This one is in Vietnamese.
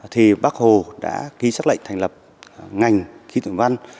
thì bác hồ đã ký xác lệnh thành lập ngành khí tượng văn